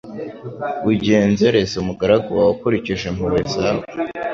Ugenzereze umugaragu wawe ukurikije impuhwe zawe